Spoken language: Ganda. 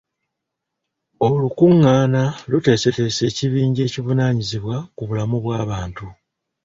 Olukungana luteesetese ekibinja ekivunaanyizibwa ku bulamu bw'abantu.